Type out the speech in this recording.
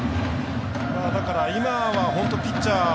だから今は本当にピッチャー